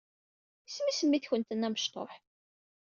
Isem-is mmi-tkent-nni amectuḥ?